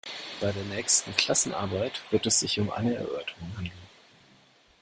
Bei der nächsten Klassenarbeit wird es sich um eine Erörterung handeln.